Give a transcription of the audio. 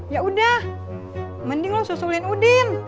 ya udah mending loh susulin udin